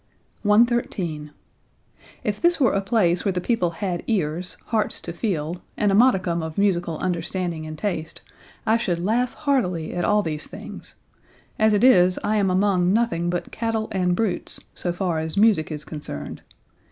113. "If this were a place where the people had ears, hearts to feel, and a modicum of musical understanding and taste, I should laugh heartily at all these things; as it is I am among nothing but cattle and brutes (so far as music is concerned).